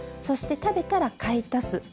そして食べたら買い足す。